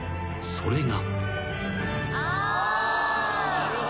［それが］